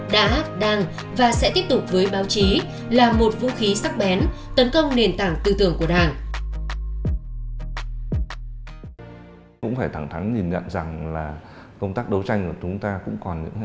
đã đang và sẽ tiếp tục với báo chí là một vũ khí sắc bén tấn công nền tảng tư tưởng của đảng